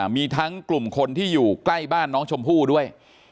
มีทั้งกลุ่มคนที่อยู่ใกล้บ้านน้องชมพู่ด้วย